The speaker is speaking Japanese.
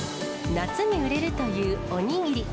夏に売れるというおにぎり。